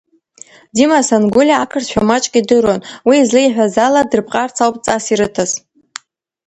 Дима Сангәылиа ақырҭшәа маҷк идыруан, уи излеиҳәаз ала, дрыпҟарц ауп дҵас ирыҭаз.